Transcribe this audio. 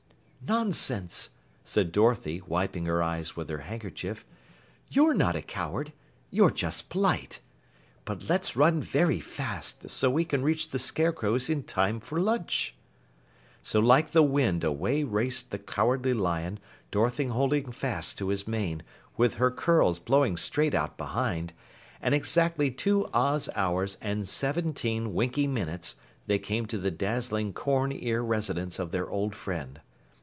"Nonsense!" said Dorothy, wiping her eyes with her handkerchief. "You're not a coward, you're just polite. But let's run very fast so we can reach the Scarecrow's in time for lunch." So like the wind away raced the Cowardly Lion, Dorothy holding fast to his mane, with her curls blowing straight out behind, and in exactly two Oz hours and seventeen Winkie minutes they came to the dazzling corn ear residence of their old friend.